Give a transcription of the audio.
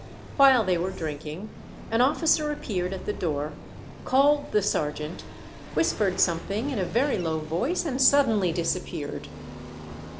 While they were drinking, an officer appeared at the door, called the sergeant, whispered something in a very low voice, and suddenly disappeared.